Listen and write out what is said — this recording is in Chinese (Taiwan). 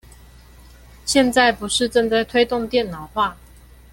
現在不是正在推動電腦化？